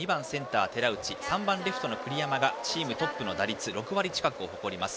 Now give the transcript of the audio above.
３番レフトの栗山がチームトップの打率６割近くを誇ります。